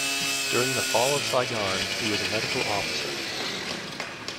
During the Fall of Saigon, he was a Medical Officer.